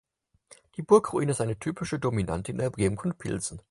Die Burgruine ist eine typische Dominante der Umgebung von Pilsen.